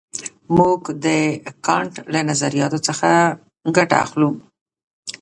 موږ د کانټ له نظریاتو ګټه اخلو.